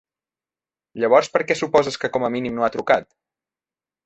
Llavors per què suposes que com a mínim no ha trucat?